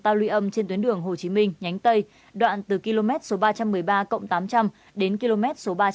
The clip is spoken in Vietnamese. ta luy âm trên tuyến đường hồ chí minh nhánh tây đoạn từ km ba trăm một mươi ba tám trăm linh đến km ba trăm một mươi tám